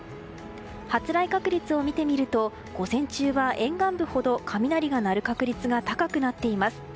発雷確率を見てみると午前中は沿岸部ほど雷が鳴る確率が高くなっています。